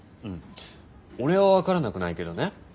うん俺は分からなくないけどね